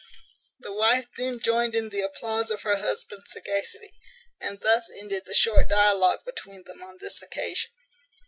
The wife then joined in the applause of her husband's sagacity; and thus ended the short dialogue between them on this occasion.